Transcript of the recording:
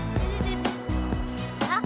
j tidak tidak tidak